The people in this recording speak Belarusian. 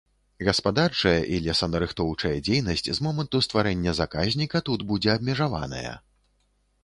Гаспадарчая і лесанарыхтоўчая дзейнасць з моманту стварэння заказніка тут будзе абмежаваная.